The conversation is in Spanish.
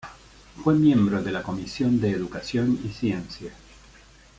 Fue miembro de la Comisión de Educación y Ciencia.